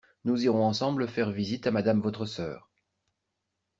Nous irons ensemble faire visite à Madame votre sœur.